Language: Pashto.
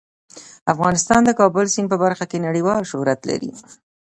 افغانستان د د کابل سیند په برخه کې نړیوال شهرت لري.